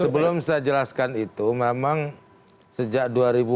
sebelum saya jelaskan itu memang sejak dua ribu